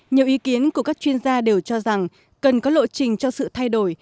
nhiều ý kiến của các chuyên gia đều cho rằng cần có lộ trình cho sự thay đổi